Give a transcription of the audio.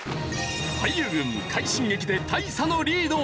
俳優軍快進撃で大差のリード！